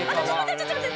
ちょっと待って！